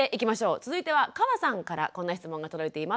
続いては河さんからこんな質問が届いています。